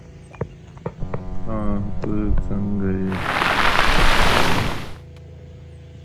It is now preserved and displayed at the Museum of Transport, Greater Manchester.